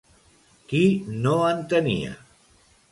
Qui no en tenia?